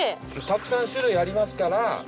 たくさん種類ありますから。